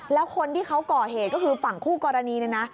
แล้วคนที่เขาก่อเหตุก็คือฝั่งคู่กรณีเนี่ยนะ